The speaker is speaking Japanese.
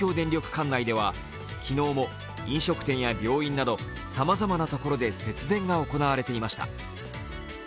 管内では昨日も飲食店や病院などさまざまなところで節電が行われていました。